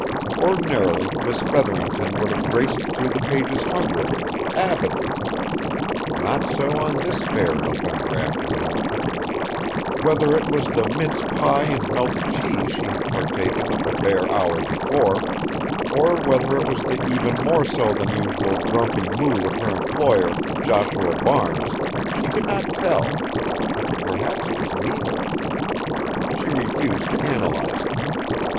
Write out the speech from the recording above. Ordinarily Miss Featherington would have raced through the pages hungrily, avidly. Not so on this fair November afternoon. Whether it was the mince pie and melted cheese she had partaken of a bare hour before, or whether it was the even more so than usual grumpy mood of her employer, Joshua Barnes, she could not tell. Perhaps it was neither. She refused to analyze it.